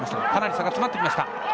かなり差が詰まってきました。